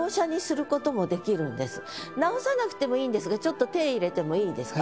直さなくてもいいんですがちょっと手入れてもいいですか。